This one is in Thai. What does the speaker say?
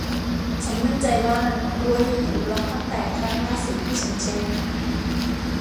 ฉันมั่นใจว่ารั้วนี้ถูกล็อคตั้งแต่ครั้งล่าสุดที่ฉันเช็ค